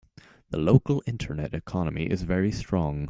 The local internet economy is very strong.